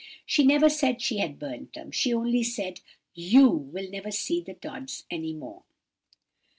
She never said she had burnt them. She only said, 'You will never see the Tods any more.